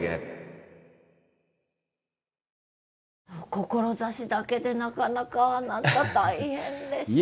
志だけでなかなかあなた大変でしょう。